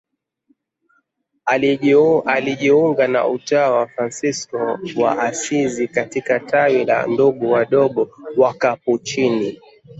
Alijiunga na utawa wa Fransisko wa Asizi katika tawi la Ndugu Wadogo Wakapuchini.